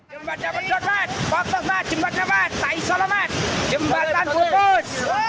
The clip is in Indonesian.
jembatan jodhmat bantusmat jembatan jodhmat tak iso lemat jembatan kukus